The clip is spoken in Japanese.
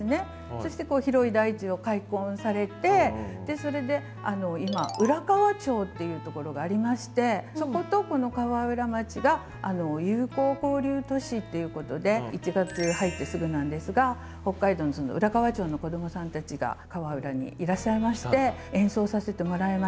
そして広い大地を開墾されてそれで今浦河町っていうところがありましてそことこの河浦町が友好交流都市っていうことで１月入ってすぐなんですが北海道の浦河町の子どもさんたちが河浦にいらっしゃいまして演奏させてもらいました。